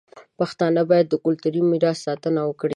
پښتانه باید د کلتوري میراث ساتنه وکړي.